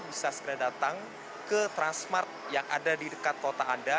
bisa segera datang ke transmart yang ada di dekat kota anda